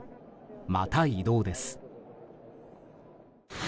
また移動です。